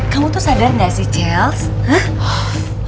kamu tuh sadar gak sih chelsea